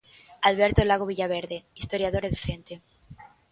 Alberto Lago Villaverde, historiador e docente.